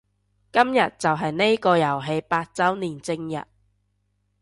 今日就係呢個遊戲八周年正日